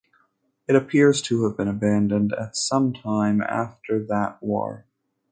It appears to have been abandoned at some time after that war.